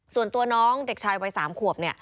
ส่วนตัวน้องเด็กชายวัยสามขวบ